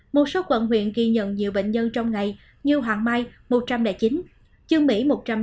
một số quận huyện ghi nhận nhiều bệnh nhân trong ngày như hoàng mai một trăm linh chín chương mỹ một trăm linh